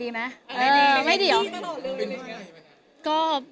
เป็นกิมมิกไงดีไหม